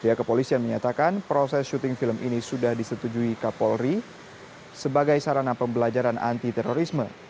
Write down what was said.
pihak kepolisian menyatakan proses syuting film ini sudah disetujui kapolri sebagai sarana pembelajaran anti terorisme